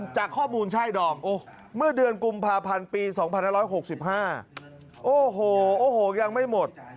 จากข้อมูลใช่ดอมเมื่อเดือนกุมภาพันธ์ปี๒๕๖๕โอ้โหโอ้โหยังไม่หมด